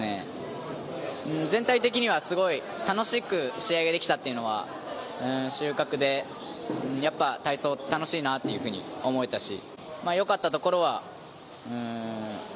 全体的にはすごい楽しく試合ができたっていうのは収穫で、やっぱり体操って楽しいなっていうふうに思えたし。